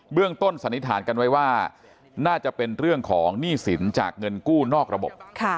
เรื่องต้นสันนิษฐานกันไว้ว่าน่าจะเป็นเรื่องของหนี้สินจากเงินกู้นอกระบบ